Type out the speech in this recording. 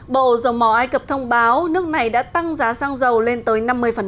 bộ dầu mỏ ai cập thông báo nước này đã tăng giá xăng dầu lên tới năm mươi